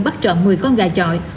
bắt trộm một mươi con gà chọi